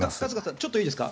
ちょっといいですか。